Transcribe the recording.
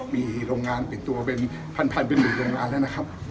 มีโรงงานเปลี่ยนตัวเป็นพันถึงโรงงานแล้วนะครับ